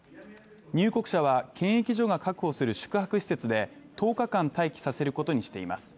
入国者は検疫所が確保する宿泊施設で１０日間待機させることにしています。